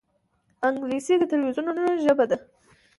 انګلیسي د تلویزونونو ژبه ده